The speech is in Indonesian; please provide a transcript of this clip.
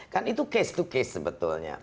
kan itu case to case sebetulnya